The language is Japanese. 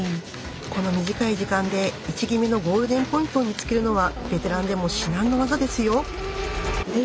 この短い時間で位置決めのゴールデンポイントを見つけるのはベテランでも至難の業ですよ！